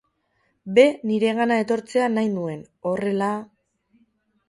B niregana etortzea nahi nuen, horrela....